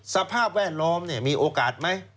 สภาพแวดล้อมมีโอกาสไหม